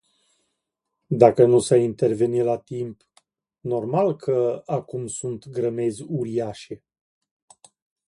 Dacă nu s-a intervenit la timp, normal că acum sunt grămezi uriașe.